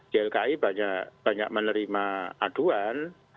jlki banyak menerima aduan